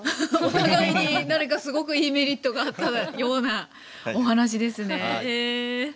お互いに何かすごくいいメリットがあったようなお話ですね。